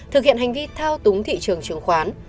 thực hiện hành vi thao túng thị trường chứng khoán